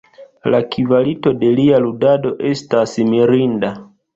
La kvalito de lia ludado estas mirinda.